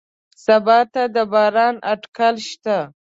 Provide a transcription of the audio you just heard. سبا ته د باران اټکل شته